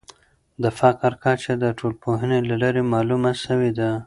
د فقر کچه د ټولنپوهني له لارې معلومه سوې ده.